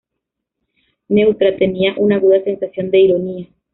Neutra tenía una aguda sensación de ironía.